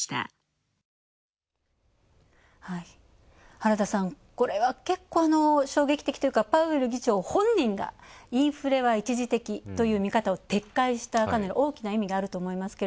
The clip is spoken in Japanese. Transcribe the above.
原田さん、これは結構、衝撃的というかパウエル議長本人がインフレは一時的という見方を撤回した大きな意味があると。